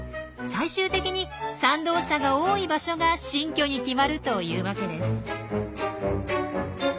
最終的に賛同者が多い場所が新居に決まるというわけです。